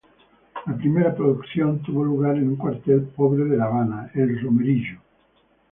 La primera producción tuvo lugar en un cuartel pobre de la Habana, El Romerillo.